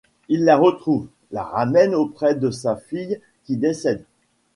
Il la retrouve, la ramène auprès de sa fille qui décède.